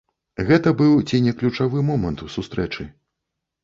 Гэта быў ці не ключавы момант у сустрэчы.